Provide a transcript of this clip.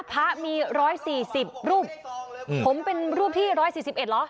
พระรูปมีร้อยสี่สิบรูปอืมผมเป็นรูปที่ร้อยสี่สิบเอ็ดเหรอ